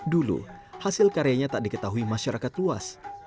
dulu hasil karyanya tak diketahui masyarakat luas